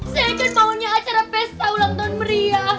saya kan maunya acara pesta ulang tahun meriah